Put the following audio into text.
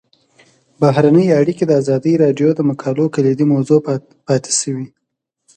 بهرنۍ اړیکې د ازادي راډیو د مقالو کلیدي موضوع پاتې شوی.